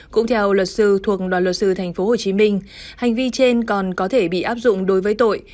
cũng theo luật sư thuộc đoàn luật sư tp hcm hành vi trên còn có thể bị áp dụng đối với tội